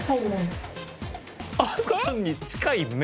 飛鳥さんに近い麺？